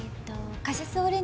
カシスオレンジ？